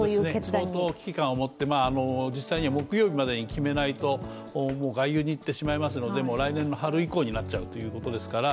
相当危機感を持って、実際には木曜日までに決めないと外遊に行ってしまいますので、来年の春以降になっちゃうということですから。